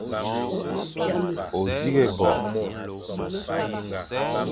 O dighé bo.